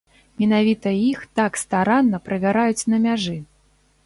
Менавіта іх так старанна правяраюць на мяжы.